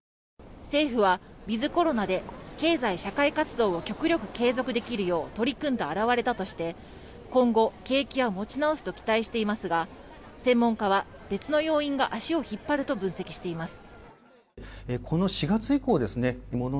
政府はウィズコロナで経済社会活動を極力継続できるよう取り組んだ表れだとして今後、景気は持ち直すと期待していますが専門家は別の要因が足を引っ張ると分析しています。